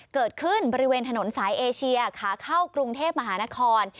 เกิดขึ้นบริเวณถนนสายเอเชียขาเข้ากรุงเทพมหานคร